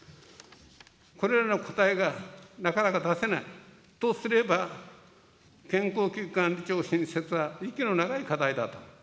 これらの答えがなかなか出せないとすれば、健康危機管理庁新設は息の長い課題だと。